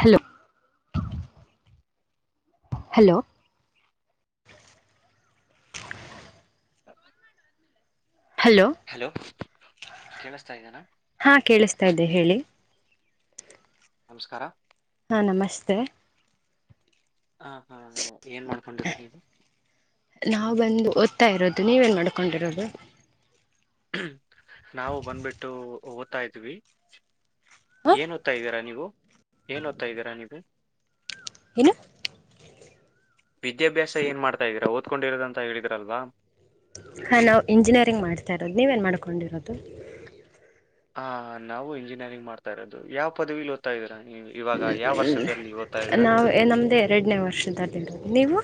hello hello hello ಕೇಳಿಸ್ತಾ ಇದ್ದೇನಾ ಹಾ ಕೇಳಿಸ್ತಾ ಇದ್ದೆ ಹೇಳಿ ನಮಸ್ಕಾರ ಹಾ ನಮಸ್ತೆ ಹ ಹಾ ಏನ್ ಮಾಡ್ಕೊಂಡಿರೋದು ನೀವು ನಾವು ಬಂದು ಒತ್ತು ಹತಾ ಇರೋದು ನೀವೇನು ಮಾಡ್ಕೊಂಡಿರೋದು ನಾವು ಬಂದ್ಬಿಟ್ಟು ಓದ್ತಾ ಇದ ಇದ್ವಿ ಹ ಏನ್ತಾ ಇದ್ದೀರಾ ನೀವು ಏನ್ಓ್ತಾ ಇದ್ದೀರಾ ನೀವು ನು ವಿದ್ಯಾಭ್ಯಾಸ ಏನ್ ಮಾಡಾ್ತಾ ಇದ್ದೀರಾ ಓದ್ಕೊಂಡಿರೋದಂತ ಹೇಳಿದಿರಲ್ವಾ ಹಾ ನಾವು ಇಂಜಿನಿಯರಿಂಗ್ ಮಾಡ್ತಾ ಇರೋದು ನೀವೇನ್ ಮಾಡ್ಕೊಂಡಿರೋದು ಹಾ ನಾವು ಇಂಜಿನಿಯರಿಂಗ್ ಮಾಡ್ತಾ ಇೋದು ಯಾವ ಪದವಿ ಓದ್ತ ಇದೀರ ಹ ನಾವು ನಮ್ದ ಎರಡನೇ ವರ್ಷದದಲ್ಲಿರದು ನೀವು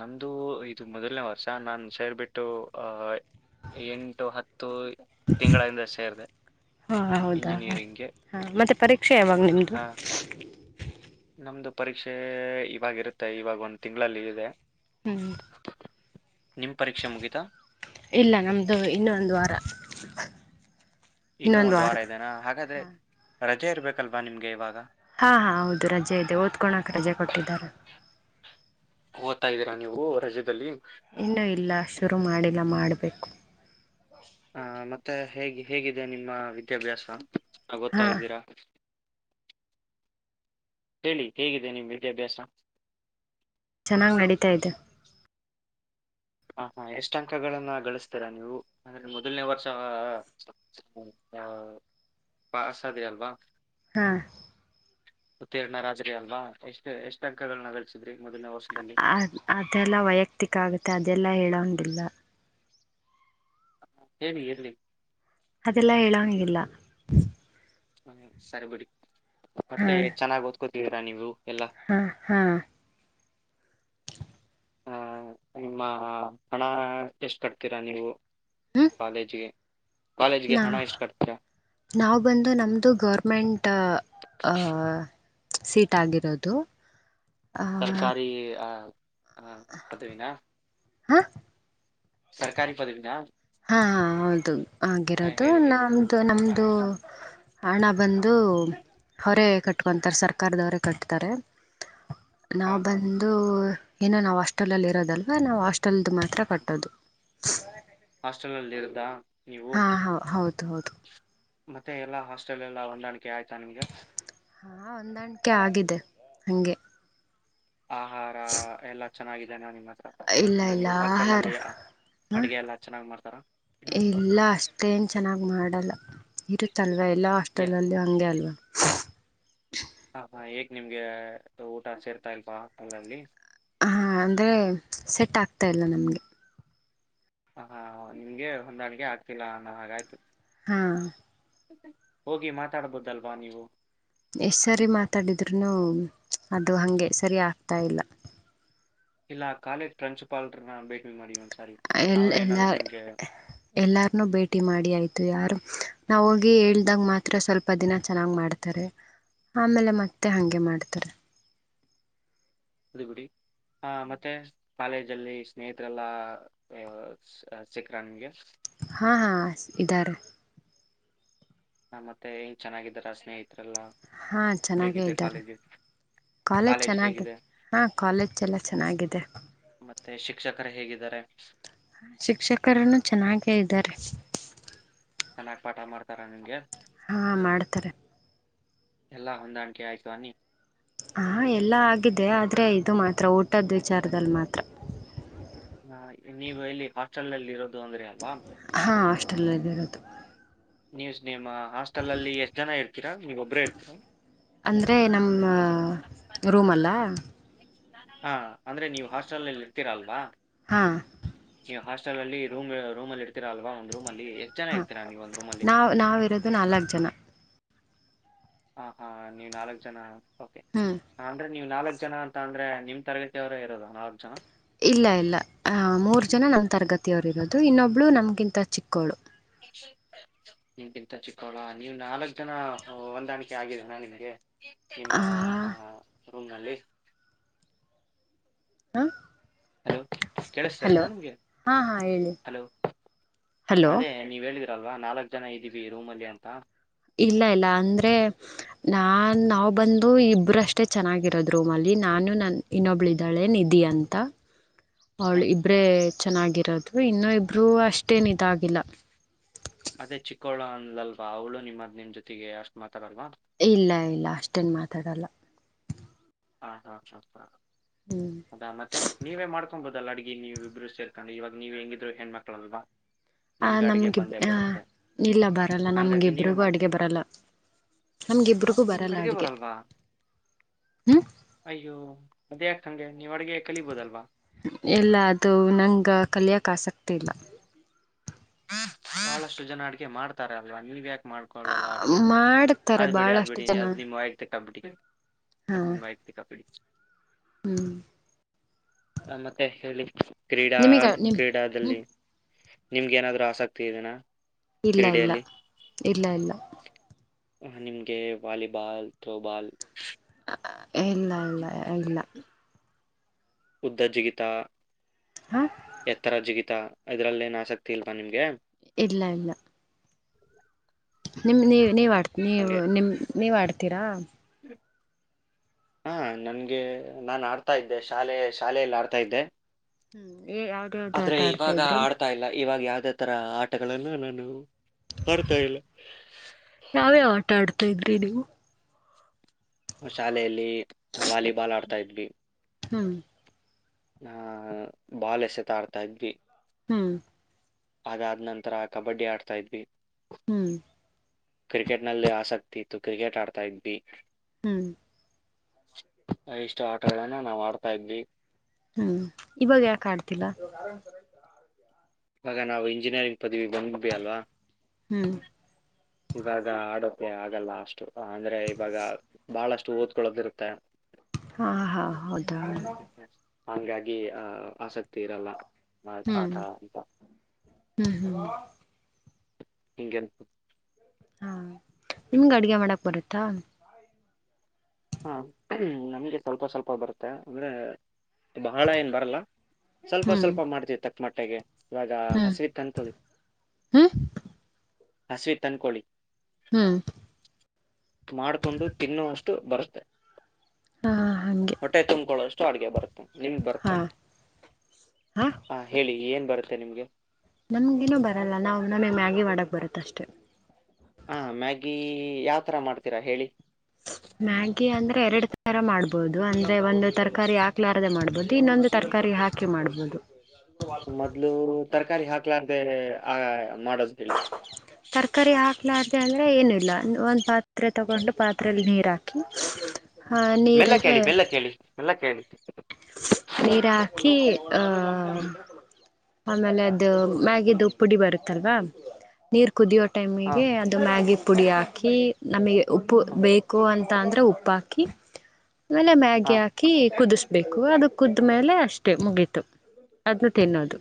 ನಮ್ಮದು ಇದು ಮೊದಲನೇ ವರ್ಷ ನಾನು ಸೇರಿಬಿಟ್ಟು ಎಂಟು ಹತ್ತು ತಿಂಗಳಿಂದ ಸೇರಿದೆ ಹಾಂ ಹೌದಾ ಇಂಜಿನಿಯರಿಂಗ್ಗೆ ಹಾಂ ಮತ್ತೆ ಪರೀಕ್ಷೆ ಯಾವಾಗ ನಿಮ್ಮದು ಹಾ ನಮ್ದು ಪರೀಕ್ಷೆ ಇವರುತ್ತೆ ಇವಾಗ ಒಂದು ತಿಂಗಳಲ್ಲಿ ಇದೆ ಹ್ಞೂ ನಿಮ್ ಪರೀಕ್ಷೆ ಮುಗಿತಾ ಇಲ್ಲ ನಮ್ದು ಇನ್ನೊ ಒಂದು ವಾರ ಇನ್ನುೂ ಇನ್ನೊಂದು ಒಂದ್ ವಾರ ವಾರದ ದನ ಹಾಗಾದ್ರೆ ರಜೆ ಇರ್ಬೇಕಲ್ವಾ ನಿಮಗೆ ಇವಾಗ ಹಾ ಹಾ ಹೌದು ರಜೆ ಇದೆ ಓದ್ಕೊಳಕ್ ರಜೆ ಕೊಟ್ಟಿದ್ದಾರೆ ಓದ್ತಾ ಇದ್ದೀರಾ ನೀವು ರಜದಲ್ಲಿ ಇನ್ನುೂ ಇಲ್ಲ ಶುರು ಮಾಡಿ ಎಲ್ಲ ಮಾಡಬೇಕು ಹ ಮತ್ತೆ ಹೇಗೆ ಹೇಗಿದೆ ನಿಮ್ಮ ವಿದ್ಯಾಭ್ಯಾಸ ನಾ ಗೊತ್ತಾ ಹಾಂ ಇದ್ದೀರಾ ಹೇಳಿ ಹೇಗಿದೆ ನಿಮ್ ವಿದ್ಯಾಭ್ಯಾಸ ಚೆನ್ನಾಗ್ ನಡೀತಾ ಇದ್ದ ಹ ಹಾ ಎಷ್ಟ ಅಂಕಗಳನ್ನ ಗಳಿಸತೀರಾ ನೀವು ಅಂದ್ರೆ ಮೊದಲನೇ ವರ್ಷ ಆ ಪಾಸ್ ಅದಿ ಅಲ್ವಾ ಹಾ ಉತ್ತೀರ್ಣರಾತ್ರಿ ಅಲ್ವಾ ಎಷ್ಟು ಎಷ್ಟು ಅಂಕಗಳನ್ನ ಗಳಸಿದರು ಅ ಅದೆಲ್ಲ ವೈಯಕ್ತಿಕ ಆಗುತ್ತೆ ಅ ಇದೆಲ್ಲ ಹೇಳೋೊಂಡಿಲ್ಲ ಹೇಳರಿಿ ಎರ್ಲಿ ಅದೆಲ್ಲಾ ಹೇಳೋನಗಿಲ್ಲ ಹ್ಮ ಸರಬುಡಿ ಹಾ ಮತ್ತೆ ಚೆನ್ನಾಗಿ್ ಓದ್ಕೂ ರ ನೀವು ಎಲ್ಲ ಹಾ ಹಾ ಹ ನಿಮ್ಮ ಹಣ ಎಷ್ಟು ಕಟ್ತೀರಾ ನೀವು ಹ್ಮ್ ಕಾಲೇಜಿಗೆ ಕಾಲೇಜ್ಗೆ ನಾ ಹಣ ಎಷ್ಟು ಕಟ್ತೀರಾ ನಾವು ಬಂದು ನಮ್ದು ಗೌರ್ಮೆಂಟ್ ಆ ಸೀಟ್ ಆಗಿರೋದು ಆ ಸರ್ಕಾರಿ ಆ ಹಾ ಅದುವಿನ ಹಾ ಸರ್ಕಾರಿ ಪದವಿನ ಹಾ ಹೌದು ಹ ಆಗಿರೋದು ಹೇಳಿ ಹೇಳಿ ನಮ್ದು ಹ ನಮ್ದು ಹಣ ಬಂದು ಹೊರೆ ಕಟ್ಕೊಂತಾರೆ ಸರ್ ಕರೆದವರೆ ಕಟ್ತಾರೆ ಹಾ ನಾವು ಹಾ ಬಂದು ಏನ ನಾವು ಹಾಸ್ಟೆಲಲ್ಲಿ ಇರೋದಲ್ವಾ ನಾವು ಹಾಸ್ಟೆಲ್ದು ಮಾತ್ರ ಕಟ್ಟೋದು ಹಾಸ್ಟೆಲಲ್ಲಿ ಇರ್ದಾ ನೀವು ಹಾ ಹ ಹೌದು ಹೌದು ಮತ್ತೆ ಎಲ್ಲಾ ಹಾಸ್ಟೆಲ್ ಎಲ್ಲ ಹೊಂದಾಣಿಕೆ ಆಯ್ತಾ ನಿಮ್ಗೆ ಹಾ ಹೊಂದಾಣಿಕೆ ಆಗಿದೆ ಹಂಗೆ ಆಹಾರ ಎಲ್ಲ ಚೆನ್ನಾಗಿದೆ ನ ನಿಮ್ಮ ಹತ್ರ ಇಲ್ಲ ಅಂದ್ರೆ ಎಲ್ಲ ನಿಮ್ ಹಾಸ್ಟೆಲ್ ಆಹಾರ ಅಲ್ಲಿ ಆ- ಹ ಅಡ್ಗೆ ಎಲ್ಲಾ ಚೆನ್ನಾಗ್ ಮಾಡ್ತಾರ ಇಲ್ಲ ಅಷ್ಟೇನು ಚೆನ್ನಾಗ್ ಮಾಡಲ್ಲ ಇರುತ್ತಲ್ವ ಎಲ್ಲ ಹಾಸ್ಟೆಲಲ್ಲಿ ಹಂಗೆ ಅಲ್ವ [unintelligible] ಹ ಹಾ ಏಕ್ ನಿಮ್ಗೆ ಊಟ ಸೇರ್ತಾ ಇಲ್ವಾ ಅಲ್ಲರಲ್ಲಿ ಹ ಅಂದ್ರೆ ಸೆಟ್ ಆಗ್ತಾ ಇಲ್ಲ ನಮ್ಗೆ ಹ ಹಾ ನಿಮ್ಗೆ ಹೊಂದಾಳಿಕ ಆಗ್ತಿಲ್ಲಾ ನ ಹಾಗಾಯ್ತು ಹಾ ಹೋಗಿ ಮಾತಾಡ್ಬೋದಲ್ವಾ ನೀವು ಎಷ್ಟ್ ಸರಿ ಮಾತಾಡಿದ್ರು ನು ಅದು ಹಂಗೆ ಸರಿ ಆಗ್ತಾ ಇಲ್ಲ ಇಲ್ಲ ಕಾಲೇಜ್ ಪ್ರಿನ್ಸಿಪಾಲ್ರನ ಭೇಟಿ ಮಾಡಿ ಒಂದಸ ಎಲ್ಲ ಎಲ್ಲ ಎಲ್ಲಾರನು ಭೇಟಿ ಮಾಡಿ ಆಯ್ತು ಯಾರು ನಾವು ಹೋಗಿ ಹೇಳದಾಗ ಮಾತ್ರ ಸ್ವಲ್ಪ ದಿನ ಚೆನ್ನಾಗಿ ಮಾಡ್ತಾರೆ ಆಮೇಲೆ ಮತ್ತೆ ಹಾಗೆ ಮಾಡ್ತಾರೆ ಅದು ಬಿಡಿ ಆ ಮತ್ತೆ ಕಾಲೇಜಲ್ಲಿ ಸ್ನೇಹಿತರೆಲ್ಲ ಸಿಕ್ಕರ ನಿಂಗೆ ಹಾ ಹಾ ಇದ್ದಾರೆ ಹ ಮತ್ತೆ ಏನ್ ಚೆನ್ನಾಗಿದ್ದಾರಾ ಸ್ನೇಹಿ ಹಾಂ ಚೆನ್ನಾಗೇ ಇದ್ದಾರೆ ಕಾಲೇಜ್ ಚೆನ್ನಾಗಿದೆ ಹಾಂ ಕಾಲೇಜಎಲ್ಲ ಚೆನ್ನಾಗಿದೆ ಮತ್ತೆ ಶಿಕ್ಷಕರು ಹೇಗಿದ್ದಾರೆ ಶಿಕ್ಷಕರನ್ನು ಚೆನ್ನಾಗೇ ಇದ್ದಾರೆ ಚೆನ್ನಾಗ ಪಾಠ ಮಾಡ್ತಾರ ನಿಂಗೆ ಹಾ ಮಾಡ್ತಾರೆ ಎಲ್ಲಾ ಹೊಂದಾಣಿಕೆ ಆಯ್ತು ಆನಿ ಹ ಎಲ್ಲ ಆಗಿದೆ ಆದ್ರೆ ಇದು ಮಾತ್ರ ಊಟದ್ ವಿಚಾರದಲ್ಲಿ ಮಾತ್ರ ಹ ನೀವು ಎಲ್ಲಿ ಹಾಸ್ಟೆಲ್ ಅಲ್ಲಿ ಇರೋದು ಅಂದ್ರಿ ಅಲ್ವಾ ಹಾ ಹಾಸ್ಟೆಲ್ ಅಲ್ಲಿ ಇರೋದು ನ್ಯೂಸ್ ನೇಮಾ ಹಾಸ್ಟೆಲ್ಲ್ಲಿ ಎಷ್ಟ ಜನ ಇತಾರೆ [unintelligible] ನೀವು ಒಬ್ಬರೇ ಇರ್ತೀರಾ ಅಂದರೆ ನಮ್ಮ ರೂಮಲ್ಲ ಹಾ ಅಂದ್ರೆ ನೀವು ಹಾಸ್ಟೆಲ್ ನಲ್ಲಿ ಇರ್ತೀರಾ ಅಲ್ವಾ ಹಾ ಹಾಸ್ಟೆಲ್ ಅಲ್ಲಿ ರೂಮ ರೂಮ ಅಲ್ಲಿ ಇರ್ತೀರ ಅಲ್ವಾ ಅಲ್ಲಿ ಎಷ್ಟ್ ಜನ ಹಾ ಇರ್ತೀರಾ ನೀವು ಒಂದ್ ರೂಮ್ ಅಲ್ಲಿ ನಾವ್ ನಾವಿರೋದು ನಾಲ್ಕ ಜನಾ ಹ ಹಾ ನೀವ್ ನಾಲ್ಕ ಜನಾ ಹ್ಮ್ ನೀವ್ ನಾಲ್ಕ್ ಜನಾ ಅಂತ ಅಂದ್ರೆ ನಿಮ್ಮ್ ತರಗತಿಯವರೇ ಇರೋದಾ ನಾಲ್ಕ್ ಜನಾ ಇಲ್ಲ ಇಲ್ಲ ಆ ಮೂರು ಜನ ನಮ್ಮ ತರಗತಿಯವರು ಇರೋದು ಇನ್ನೊಬ್ಳು ನಮ್ಗಿಂತ ಚಿಕ್ಕೋಳು ನಿಮ್ಗಿಂತ ಚಿಕ್ಕೋಳ ನೀವ್ ನಾಲ್ಕ್ ಜನ ಹೊಂದಾಣಿಕೆ ಆಗಿದಾರಾ ನಿನಗೆ ಹಾ ನಿಮ್ಮಾ ಆ [unintelligible] ಹ ಹಲೋ [unintelligible] ಕೇಳಿಸತೆನಾ ನಿಮ್ಮಗೆ ಹಾ ಹಾ ಹೇಳಿ ಹಲೋ ಹಲೋ ಅದೇ ನೀವ ಹೇಳಿರೋ ಅಲ್ವಾ ನಾಲ್ಕಕ್ ಜನ ಇದೀವಿ ರೂಮ್ ಅಲ್ಲಿ ಅಂತ ಇಲ್ಲ ಇಲ್ಲ ಅಂದ್ರೆ ನಾನ್ ನಾವ್ ಬಂದು ಇಬ್ರಷ್ಟೆ ಚೆನ್ನಾಗಿರೋದ್ ರೂಮ್ ಅಲ್ಲಿ ನಾನು ನನ್ ಇನ್ನೊಬ್ಳಿದ್ದಾಳೆ ನಿಧಿ ಅಂತ ಅವಳ ಹ್ಮ್ ಇಬ್ರೆ ಚೆನ್ನಾಗಿರೋದು ಇನ್ನು ಇಬ್ರು ಅಷ್ಟೇನ್ ಇದಾಗಿಲ್ಲ ಅದೇ ಚಿಕ್ಕೋಳ ಅಂದಲಲ್ವಾ ಅವ್ಳು ನಿಮ್ಮದ್ ನಿಮ್ ಜೊತೆಗೆ ಅಷ್ಟ ಮಾತಾಡಲ್ವಾ ಇಲ್ಲ ಇಲ್ಲ ಅಷ್ಟೇನ ಮಾತಾಡಲ್ಲ [inaudible] ಹಾ ಹಾ ಹ ಹ ಅದಾ ಮತ್ತೆ ನೀವೇ ಮಾಡ್ ಮಾಡ್ಕೋಬಹುದಲ್ಲಾ ಅಡಗಿ ನೀವ ಇಬ್ರು ಸೇರ್ಕೊಂಡು ಇವಾಗ ನೀವ ಹೆಂಗಿದ್ರು ಹೆಣ್ಮಕ್ಳಲ್ವಾ ಆ ನಿಮ್ಗೆ ಅಡ್ಗೆ ನಮ್ಗೆ ಬಂದೇ ಆ ಬರುತ್ತೆ ಇಲ್ಲ ಬರಲ್ಲ ನಮಗ್ ಹಂಗಾಗಿ ನೀವೇ ಇಬ್ಬರಿಗೂ ಅಡ್ಗೆ ಮಾಡ್ಕೊಬೋದು ಬರಲ್ಲ ನಮ್ಗ ಆ ಇಬ್ಬರಿಗೂ ನಿಮ್ಗೆ ಬರಲ್ಲ ಅಡ್ಗೆ ಬರಲ್ವಾ ಅಯ್ಯೋ ಅಧ್ಯಾಗಕಹಂಗೆ ನೀವ ಅಡ್ಗೆ ಕಲಿಬಹುದಲ್ಲವಾ ಎಲ್ಲಾ ಅದು ನಂಗ ಕಲಿಯಕ್ ಆಸಕ್ತಿ ಇಲ್ಲ ಬಹಳಷ್ಟು ಜನ ಅಡಗೆ ಮಾಡ್ತಾರ ಅಲ್ವಾ ನೀವ್ ಯಾಕ್ ಮಾಡ್ಕೊೊಳ್ಳಲ್ಲ ಅಡಿಗೆ ಮಾಡ್ತಾರೆ ಆದ್ಬೇಡಿ ಅದ್ ಭಾಳಷ್ಟು ಬಿಡಿ ಜನ ಅದ್ ನಿಮ್ ಆಯತೆ ಕಬಿಡಿ ಅದ್ ಹಾಂ ನಿಮ್ ಆಯತೆ ಕಬಿಡಿ ಹ್ಞೂ ಹ ಮತ್ತೆ ಹೇಳಿ ಕ್ರೀಡಾ ನಿಮಗೆ ನಿಮ್ಮ ಹ್ಞೂ ಕ್ರೀಡಾದಲ್ಲಿ ನಿಮ್ಗೆಏನಾದರು ಆಸಕ್ತಿ ಇದದೆನಾ ಇಲ್ಲ ಇಲ್ಲ ಇಲ್ಲ ಇಲ್ಲ ಹ ನಿಮ್ಗೆ ವಾಲಿಬಾಲ್ ಥ್ರೋಬಾಲ್ ಹಾ ಇಲ್ಲ ಇಲ್ಲ ಇಲ್ಲ ಉದ್ಧಜಿಗಿತಾ ಹಾ ಎತ್ತರ ಜಿಗಿತಾ ಇದ್ರಲ್ಲಿ ಏನ್ ಆಸಕ್ತಿ ಇಲ್ವಾ ನಿಮ್ಗೆ ಇಲ್ಲ ಇಲ್ಲ [inaudible] ನಿಮ್ ನೀ ನೀ್ ಆಡ್ ನೀವು ನಿಮ್ ನೀವ್ ಆಡ್ತೀರಾ ಹ್ಮ ಹಾ ನನ್ಗೆ ನಾನು ಆಡ್ತಾ ಇದ್ದೆ ಶಾಲೆ ಶಾಲೆಯಲ್ಲಿ ಆಡ್ತಾ ಇದ್ದೆ ಹ್ಮ್ ಯಾವ್ದ ಯಾವ್ದು ಆದ್ರೆ ಆಟ ಆಡ್ತಾ ಇವಾಗ ಇದ್ರು ಆಡ್ತಾ ಇಲ್ಲ ಇವಾಗ ಯಾವ್ದೇ ತರ ಆಟಗಳಗಳನ್ನು ನಾನು ಬರ್ತಾ ಇಲ್ಲ ತ ಇದ್ರಿ ನೀವು ಶಾಲೆಯಲ್ಲಿ ವಾಲಿಬಾಲ್ ಆಡ್ತ ತಾ ಇದ್ಲಿ ಹಾ ಆಹ ಬಾಲ್ ಎಸೆತಾಡ್ತಾ ಇದ್ವಿ ಹ್ಮಞ ಅಾದ್ ನಂತರ ಕಬಡ್ಡಿ ಆಡ್ತಾ ಇದ್ವಿ ಹ್ಮ್ ಕ್ರಿಕೆಟ್ ನಲ್ಲಿ ಆಸಕ್ತಿ ಇತ್ತು ಕ್ರಿಕೆಟ್ ಆಡ್ತಾ ಇದ್ಿ ಹ್ಮ್ ಇಷ್ಟು ಆಟಗಳನ ನಾವು ಆಡ್ತಾ ಇದ್ವಿ ಹ್ಮ್ ಇವಾಗ ಯಾಕ ಆಡ್ತಿಲ್ಲ ಇವಾಗ ನಾವು ಇಂಜಿನಿಯರಿಂಗ್ ಪದವಿ ಬಂದಪ ಅಲ್ವಾ ಹ್ಮ್ ಇವಾಗ ಆಡೋಕೆ ಆಗಲ್ಲ ಅಷ್ಟು ಅಂದ್ರೆ ಇವಾಗ ಬಹಳಷ್ಟು ಓದ್ಕೊಳ್ಳೋದಿರುತ್ತೆ ಹಾ ಹಾ ಹೌದಾ ಹಂಗಾಗಿ ಆಹ್ ಆಸಕ್ತಿ ತೀರಲ್ಲ ಹ್ಮ್ ಆಠ ಅಂತ ಹ್ಮ್ ಹ್ಮ್ ಹಂಗೆನ್ ಹಾ ನಿಮ್ಗ ಅಡ್ಗೆ ಮಾಡಕ್ ಬರುತ್ತಾ ಹಾ ನಮ್ಗೆ ಸ್ವಲ್ಪ ಸ್ವಲ್ಪ ಬರುತ್ತೆ ಅಂದ್ರೆ ಬಹಳ ಏನ್ ಬರಲ್ಲ ಸ್ವಲ್ಪ ಹ್ಮ್ ಸ್ವಲ್ಪ ಮಾಡ್ತಿರ್ತಕ್ಕ ಮೊಟ್ಟೆಗೆ ಇವಾಗ ಹ್ಮ್ ಹಸರು ತಂತುಳಿ ಹ್ಮ್ ಹಸವಿ ತನ್ಕೋಳಿ ಹ್ಮ್ ಮಾಡ್ಕೊಂಡು ತಿನ್ನುೋವಷ್ಟು ಟು ಬರ ಹಾ ಹಾಗೆ ಹೊಟ್ಟೆ ತುಂಬ್ಕೊಳ್ಳೋಷ್ಟು ಅಡ್ಗೆ ಬತ್ತೆ ಎಲ್ಲಿ ಬರ್ತ ಹಾಂ ಹ ಹೇಳಿ ಏನ್ ಬರುತ್ತೆ ನಿಮ್ಗೆ ನಮ್ಗೇನೂ ಬರಲ್ಲ ನಾವು ನಮಗೆ ಮ್ಯಾಗಿ ಮಾಡಕ್ ಬರುತ್ತ ಅಷ್ಟೆ ಹಾ ಮ್ಯಾಗಿ ಯಾವತರ ಮಾಡ್ತೀರಾ ಹೇಳಿ ಮ್ಯಾಗಿ ಅಂದ್ರೆ ಎರಡು ತರ ಮಾಡ್ಬದು ಬಹುದು ಅಂದ್ರೆ ಒಂದು ತರಕಾರಿ ಹಾಕ್ಲಾರದೆ ಮಾಡ್ಬಹುದು ಇನ್ನೊಂದು ತರಕಾರಿ ಹಾಕಿ ಮಾಡ್ಬಹುದು ಮೊದ್ಲು ತರಕಾರಿ ಹಾಕ ಲಾರದೇ ಆ ಮಾಡೋದು ಹೇಳಿ ತರಕಾರಿ ಹಾಕ್ಲಾರ ದೇ ಅಂದರೆ ಏನೂ ಇಿಲ್ಲ ಒಂದು ಪಾತ್ರೆ ತಗೊಂಡು ಪಾತ್ರೆಯಲ್ಲಿ ನೀರು ಹಾಕಿ ಆ ಮಲ್ಲ ನೀರಿಗೆ ಕೇಳಿ ಬೆಲ್ಲ ಕೇಳಿ ಮಲ್ಲ ಕೇಳಿ ಹ ನೀರ್ ಹಾಕಿ ಆಹ ಆಮೇಲೆ ಅದು ಮ್ಯಾಗಿದು ಪುಡಿ ಬರುತ್ತಲ್ವಾ ನೀರ್ ಕುದಿಯೋ ಹಾ ಟೈಮಿಗೆ ಅದು ಮ್ಯಾಗಿ ಪುಡಿ ಹಾಕಿ ಕ್ಕಿ ನಮಗೆ ಉಪ್ಪು ಹ್ಮ್ ಬೇಕು ಅಂತ ಮತ್ತ ಅಂದ್ರೆ ಉಪ್ಪಾಕಿ ಆಮೇಲೆ ಹಾ ಮ್ಯಾಗಿ ಹಾಕಿ ಕುದಿಸ ಬೇಕು ಅದು ಕುದ್ಮೇಲೆ ಅಷ್ಟೇ ಮುಗೀತು ಅದನ್ನು ತಿನ್ನೋದು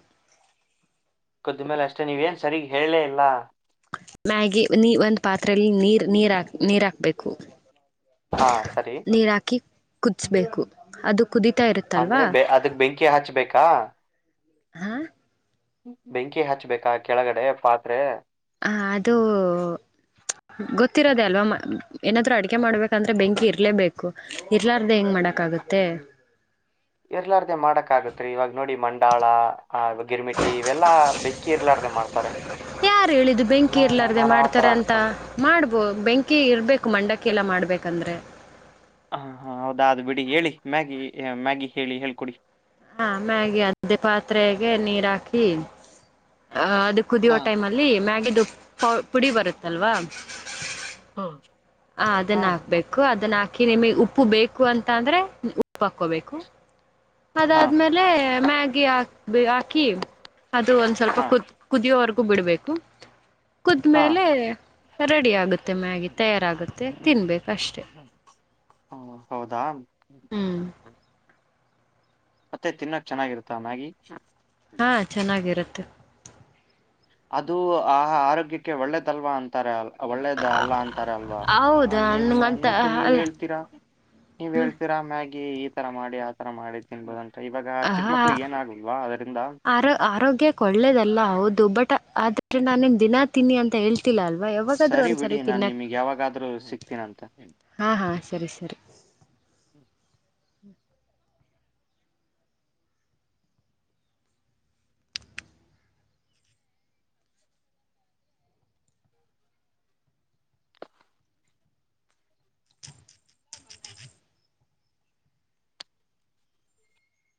ಕುದ್ದ ಮೇಲೆ ಅಷ್ಟೇ ನೀವೇಏನ್ ಸರಿ ಹೇಳೇ ಇಲ್ಲ ಮ್ಯಾಗಿ ನೀ ಒಂದು ಪಾತ್ರೆಯಲ್ಲಿ ನೀರ್ ನೀರಾಕ್ ನೀರ ಹಾಕ್ಬೇಕು ಹಾ ಸರಿ ಕುಡ್ಸುಬೇಕು ಅದು ಕುದಿತಾ ಅಂದ್ರೆ ಇರುತ್ತಲ್ವಾ ಬೆ ಅದಕ್ ಬೆಂಕಿ ಹಚ್ಬೇಕಾ ಹಾ ಬೆಂಕಿ ಹಚ್ಬೇಕಾ ಕೆಳಗಡೆ ಪಾತ್ರೆ ಹ ಅದುೂ ಗೊತ್ತಿರೋದೇ ಅಲ್ವಾ ಏನಾದ್ರು ಅಡಿಕೆ ಮಾಡ್ಬೇಕಂದ್ರೆ ಬೆಂಕಿ ಇರ್ಲೇಬೇಕು ಎರ್ಲಾರ್ದೇ ಮಾಡಕ ಆಗತ್ೀ ಇವಾಗ ನೋಡಿ ಮಂಡ ಡಳ ಆ ಗಿರಿಮಿಟ್ಟಿ ಇವೆಲ್ಲಾ ಬೆಕ್ಕಿ ಇರ್ಲಾಡ್ದ ಮಾಡ್ತಾರೆ ಯಾರು ಹೇಳಿದ್ದು ಬೆಂಕಿ ನಾಾನಾ ಇರಲಾರ್ದೆ ನಾನ ಆತರ ಮಾಡ್ತಾರೆ ಅಂತ ಅನ್ಕೊಂಡೆ ಕ್ಕೆಲ್ಲ ಮಾಡಬೇಕಂದ್ರೆ ಹ ಹಾ ಹೌದಾದದು್ ಬಿಡಿ ಹೇಳಿ ಮ್ಯಾಗಿ ಮ್ಯಾಗಿ ಹೇಳಿ ಹೇಳ್ಕೊಡಿ ಹಾ ಮ್ಯಾಗಿ ಮತ್ತೆ ಪಾತ್ರೆಗೆ ನೀರ್ ಹಾಕಿ ಅ ಅದು ಕುದಿಯೋ ಹಾ ಟೈಮ್ ಅಲ್ಲಿ ಮ್ಯಾಗ ದು ಪುಡಿ ಬರುತ್ತಲ್ವಾ [unintelligible] ಹ ಅದನ್ನ ಹಾಕ್ಬೇಕು ಅ ಅದನ್ನ ಹಾಕಿ ನಿಮಗ್ ಉಪ್ಪು ಬೇಕು ಅಂತ ಅಂದ್ರೆ ಉಪ್ಪು ಹಾಕೋಬೇಕು ಹಾ ಅದಾದ್ಮೇಲೆ ಮ್ಯಗಿ ಆ ಆಕಿ ಅದು ಒಂದ್ ಸ್ವಲ್ಪ ಹಾ ಕುದ ಕುದಿಯೋವರೆಗ ಬಿಡಬೇಕು ಕುದ್ಮೇಲೆ ಹಾ ಇದೆ ರೆಡಿ ಆಗುತ್ತೆ ಮ ಮ್ಯಾಗಿ ತಯಾರ ಆಗುತ್ತೆ ತಿನ್ಬೇಕುಷ್ಟೇ ಹಾ ಹೌದಾ ಹ್ಮಞ ಹ್ಮ್ ಹ್ಞ ಮತ್ತೆ ತಿನ್ನೋಕ್ ಚೆನ್ನಾಗಿರುತ್ತಾ ನ್ಯಾಗಿ ಹಾ ಚೆನ್ನಾಗಿರುತ್ತೆ ಹೆ ಅದು ಆ ಆರೋಗ್ಯಕ್ಕೆ ಒಳ್ಳೆದಲ್ವಾ ಅಂತಾರ ಅಲ್ಲ ಒಳ್ಳೇದ ಅಲ್ಲ ಅಂತಾರ ಅಲ್ವಾ ಹೌದಾ ನಿ ನನ್ಗಂತ ಮತ್ತೆ ನೀವ್ ಅಲ್ಲ ಹೇಳ್ತೀರಾ ನೀವ್ ಹೇಳ್ತೀರಾ ಮ್ಯ ಈ ತರ ಮಾಡಿ ಆತರ ಮಾಡಿ ತಿನ್ಬೋುದ ಹಹ ಆರ ಆರೋಗ್ಯ ಒಳ್ಳೇದಲ್ಲ ಹೌದು ಬಟ್ ಆದ್ರೆ ನಾನ ನಿಮ್ ದಿನಾ ತಿನ್ನಿ ಅಂತ ಹೇಳಿ ಸರಿ ಬಿಡಿ ನಾನ್ ನಿಮಗ್ ಯಾವಾಗಾದ್ರೂ ಸಿಗ್ತೀನಂತ ಹಾ ಹಾ ಹ್ಮ್